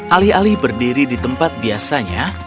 alih alih berdiri di tempat biasanya